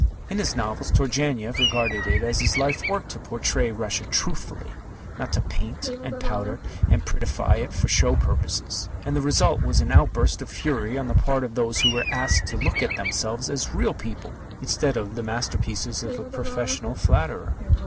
In his novels, Turgenev regarded it as his life work to portray Russia truthfully, not to paint and powder and "prettify" it for show purposes, and the result was an outburst of fury on the part of those who were asked to look at themselves as real people instead of as the master pieces of a professional flatterer.